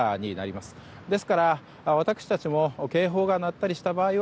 ですから、私たちも警報が鳴ったりした場合は